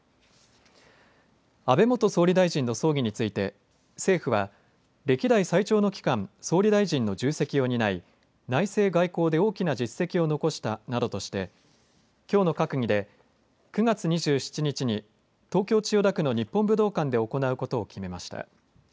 安倍元総理大臣の葬儀について政府は歴代最長の期間、総理大臣の重責を担い内政・外交で大きな実績を残したなどとしてきょうの閣議で９月２７日に東京千代田区の日本武道館で行うことを決めました。